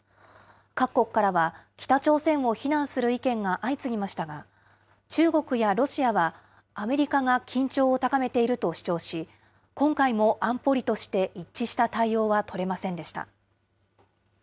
各国からは、北朝鮮を非難する意見が相次ぎましたが、中国やロシアはアメリカが緊張を高めていると主張し、今回も安保理として一致した対応は取れませんでした。